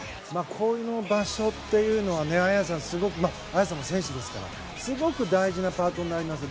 この場所というのは綾さんも選手ですからすごく大事なパートになります。